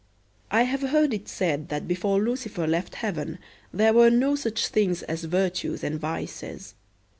I have heard it said that before Lucifer left Heaven there were no such things as virtues and vices.